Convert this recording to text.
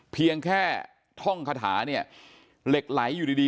เพียงแค่ท่องคาถาเนี่ยเหล็กไหลอยู่ดีดี